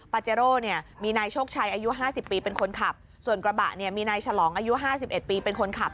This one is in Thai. เจโร่เนี่ยมีนายโชคชัยอายุ๕๐ปีเป็นคนขับส่วนกระบะเนี่ยมีนายฉลองอายุ๕๑ปีเป็นคนขับ